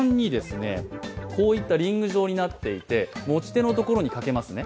かばんに、こういったリング状になっていて、持ち手のところに掛けますね